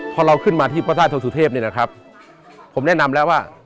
พอเราขึ้นมาที่พระท่าทศุเทพฯผมแนะนำแล้วว่า